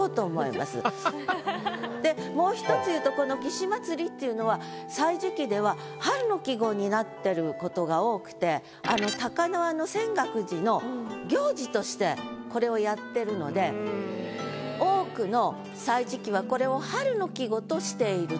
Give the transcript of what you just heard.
でもう一つ言うとこの「義士祭」っていうのは歳時記では春の季語になってることが多くてあの高輪の泉岳寺の行事としてこれをやってるので多くの歳時記はこれを春の季語としていると。